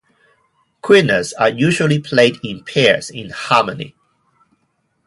Quenas are usually played in pairs, in harmony.